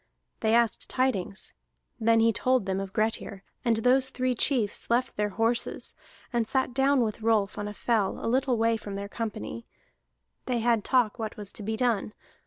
They asked tidings. Then he told them of Grettir, and those three chiefs left their horses, and sat down with Rolf on the fell a little way from their company; they had talk what was to be done.